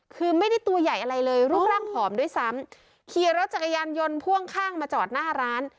คือไม่ได้ตัวใหญ่อะไรเลยรูปร่างผอมด้วยซ้ำขี่รถจักรยานยนต์พ่วงข้างมาจอดหน้าร้าน